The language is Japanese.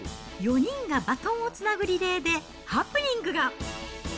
４人がバトンをつなぐリレーでハプニングが。